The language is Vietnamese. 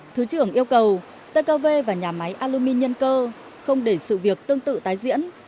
thứ trưởng yêu cầu tkv và nhà máy alumin nhân cơ không để sự việc tương tự tái diễn